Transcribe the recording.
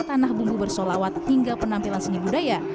tanah bumbu bersolawat hingga penampilan seni budaya